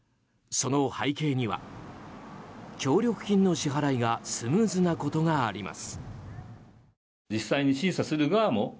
その背景には、協力金の支払いがスムーズなことがあります。